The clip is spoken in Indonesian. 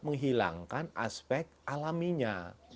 menghilangkan aspek alaminya